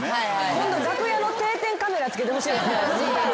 今度楽屋の定点カメラ付けてほしいですね。